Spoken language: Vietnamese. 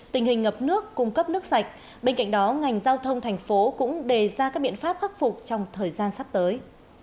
tình hình ngập nước cung cấp nước sạch bên cạnh đó ngành giao thông thành phố cũng đề ra các biện pháp khắc phục trong thời gian sắp tới